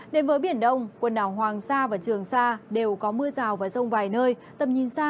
đến với biển đông quần đảo hoàng sa và trường sa đều có mưa rào và rông vài nơi tầm nhìn xa